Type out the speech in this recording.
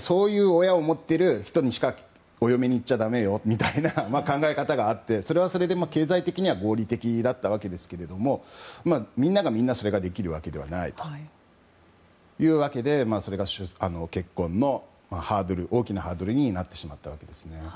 そういう親を持っている人しかお嫁に行っちゃだめよみたいな考え方があってそれはそれで経済的には合理的だったんですがみんながみんなそれをできるわけではないというわけでそれが結婚の大きなハードルになってしまったわけですね。